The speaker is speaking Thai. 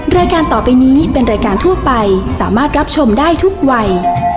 รายการต่อไปนี้เป็นรายการทั่วไปสามารถรับชมได้ทุกวัย